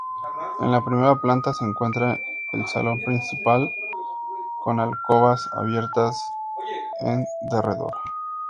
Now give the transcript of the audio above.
En la primera planta se encuentra el salón principal con alcobas abiertas en derredor.